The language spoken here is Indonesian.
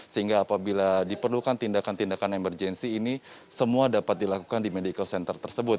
sehingga apabila diperlukan tindakan tindakan emergensi ini semua dapat dilakukan di medical center tersebut